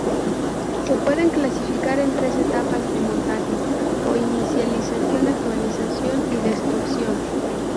Se pueden clasificar en tres etapas de montaje o inicialización, actualización y destrucción.